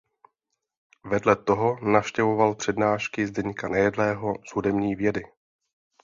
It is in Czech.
Vedle toho navštěvoval přednášky Zdeňka Nejedlého z hudební vědy.